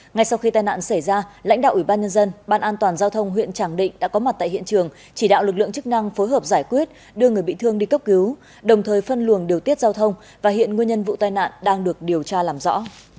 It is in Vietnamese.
ngay sau khi tai nạn xảy ra lãnh đạo ủy ban nhân dân ban an toàn giao thông huyện tràng định đã có mặt tại hiện trường chỉ đạo lực lượng chức năng phối hợp giải quyết đưa người bị thương đi cấp cứu đồng thời phân luồng điều tiết giao thông và hiện nguyên nhân vụ tai nạn đang được điều tra làm rõ